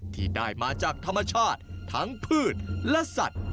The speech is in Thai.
ที่ได้มาจากธรรมชาติทั้งพืชและสัตว์